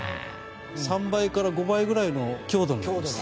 ３倍から５倍ぐらいの強度なんです。